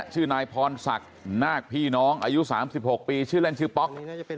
ชื่อนายพรศักดิ์นาคพี่น้องอายุ๓๖ปีชื่อเล่นชื่อป๊อก